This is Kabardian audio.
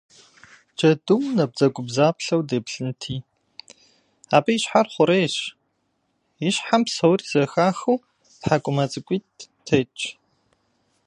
Джэдум набдзэгубдзаплъэу деплъынти, абы и щхьэр хъурейщ, и щхьэм псори зэхахыу тхьэкӏумэ цӏыкӏуитӏ тетщ.